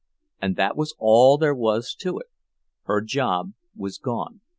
And that was all that there was to it—her job was gone!